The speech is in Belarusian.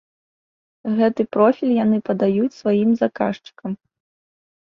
Гэты профіль яны падаюць сваім заказчыкам.